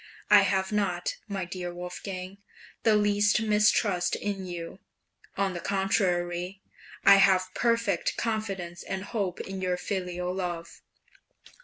I have not, my dear Wolfgang, the least mistrust in you; on the contrary, I have perfect confidence and hope in your filial love.